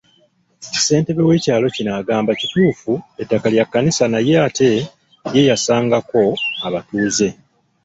Ssentebe w'ekyalo kino agamba kituufu ettaka lya Kkanisa naye ate ye yasangako abatuuze.